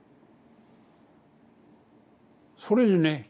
それでね